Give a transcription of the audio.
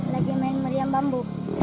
lagi main meriam bambu